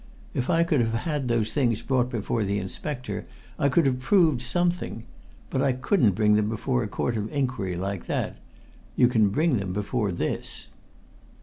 If I could have had those things brought before the inspector, I could have proved something. But I couldn't bring them before a court of inquiry like that. You can bring them before this!"